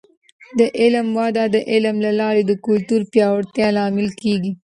د علم وده د علم له لارې د کلتور پیاوړتیا لامل کیږي.